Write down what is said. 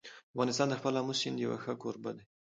افغانستان د خپل آمو سیند یو ښه کوربه دی.